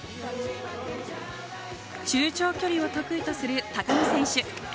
中長距離を得意とする高木選手。